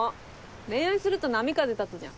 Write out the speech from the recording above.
恋愛すると波風立つじゃん。